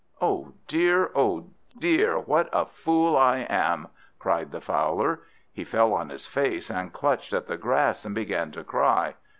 "Oh dear, oh dear, what a fool I am!" cried the Fowler. He fell on his face, and clutched at the grass, and began to cry.